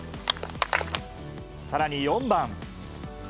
さらに４番。